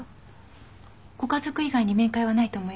ご家族以外に面会はないと思いますよ。